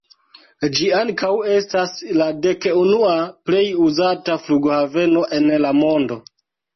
Ĝi ankaŭ estas la dek-unua plej uzata flughaveno en la mondo.